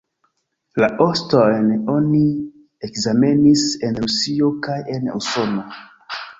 La ostojn oni ekzamenis en Rusio kaj en Usono.